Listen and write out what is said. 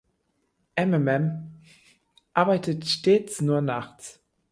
Ememem arbeitet stets nur nachts.